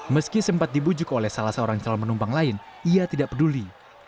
meski sempat dibujuk oleh salah seorang calon penumpang lain ia tidak peduli